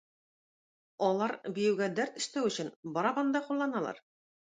Алар биюгә дәрт өстәү өчен барабан да кулланалар.